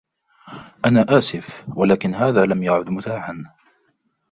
أنا آسف ، ولكن هذا لم يعد متاحاً.